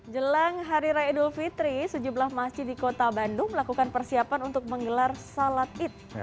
jelang hari raya idul fitri sejumlah masjid di kota bandung melakukan persiapan untuk menggelar salat id